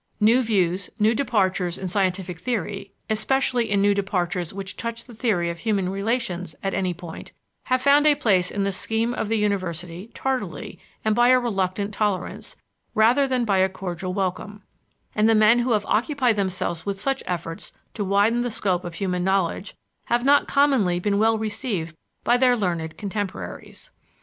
New views, new departures in scientific theory, especially in new departures which touch the theory of human relations at any point, have found a place in the scheme of the university tardily and by a reluctant tolerance, rather than by a cordial welcome; and the men who have occupied themselves with such efforts to widen the scope of human knowledge have not commonly been well received by their learned contemporaries.